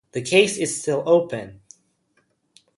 The case is still open.